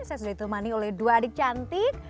saya sudah ditemani oleh dua adik cantik